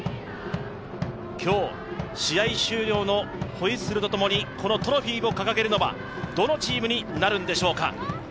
今日、試合終了のホイッスルとともにこのトロフィーを掲げるのはどのチームになるのでしょうか。